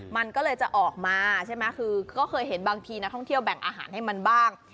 มันก็เลยจะออกมาใช่ไหมคือก็เคยเห็นบางทีนักท่องเที่ยวแบ่งอาหารให้มันบ้าง